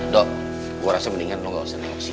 dok gua rasa mendingan lo gak usah